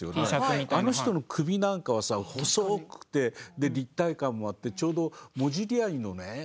あの人の首なんかはさ細くてで立体感もあってちょうどモディリアーニのね